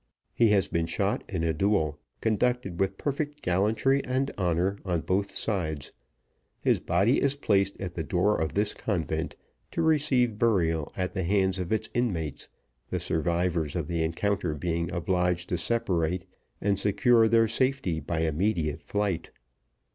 He has been shot in a duel, conducted with perfect gallantry and honor on both sides. His body is placed at the door of this convent, to receive burial at the hands of its inmates, the survivors of the encounter being obliged to separate and secure their safety by immediate flight.